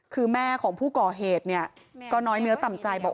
คือแม่ของผู้ก่อเหตุเนี่ยก็น้อยเนื้อต่ำใจบอก